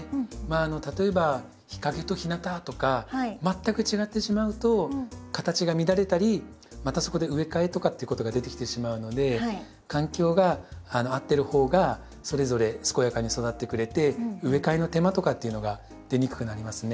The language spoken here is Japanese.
例えば日陰と日なたとか全く違ってしまうと形が乱れたりまたそこで植え替えとかっていうことが出てきてしまうので環境が合ってる方がそれぞれ健やかに育ってくれて植え替えの手間とかっていうのが出にくくなりますね。